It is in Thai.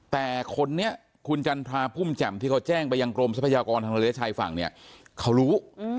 แต่คนนี้คุณจันทราพุ่มแจ่มที่เขาแจ้งไปยังกรมทรัพยากรทางทะเลชายฝั่งเนี่ยเขารู้